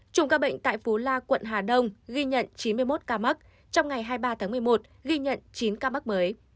chủng ca bệnh tại phú la quận hà đông ghi nhận chín mươi một ca mắc trong ngày hai mươi ba tháng một mươi một ghi nhận chín ca mắc mới